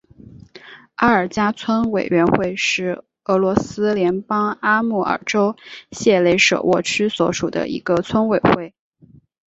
阿尔加村委员会是俄罗斯联邦阿穆尔州谢雷舍沃区所属的一个村委员会。